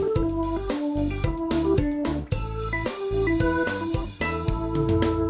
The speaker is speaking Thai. โปรดติดตามตอนต่อไป